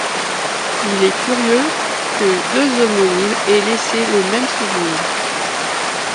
Il est curieux que deux homonymes aient laissé le même souvenir.